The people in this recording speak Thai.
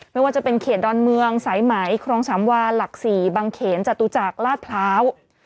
ไม่ว่าจะเป็นเขตดอนเมืองสายไหมครองสามวาหลัก๔บังเขนจตุจักรลาดพร้าว